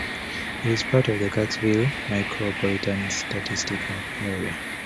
It is part of the Kirksville Micropolitan Statistical Area.